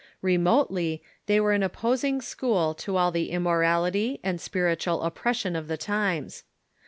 Remotely, they were an opposing school " to all the immorality and spiritual oppression of the times.